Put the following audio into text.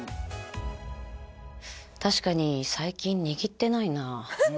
確かに最近握ってないな。